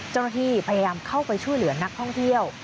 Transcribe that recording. เจ้าหน้าที่พยายามเข้าไปช่วยเหลือนักท่องเที่ยว